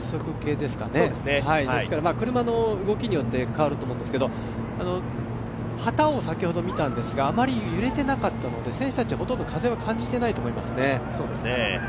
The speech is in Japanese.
ですから車の動きによって変わると思うんですけど、旗を先ほど見たんですが、あまり揺れていなかったので選手たちはほとんど風は感じていないと思いますね。